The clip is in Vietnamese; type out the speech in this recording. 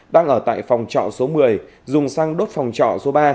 đang ở tại phòng trọ số một mươi dùng xăng đốt phòng trọ số ba